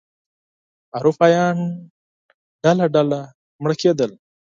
اروپایان ډله ډله مړه کېدل.